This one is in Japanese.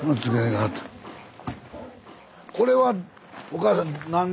これはおかあさん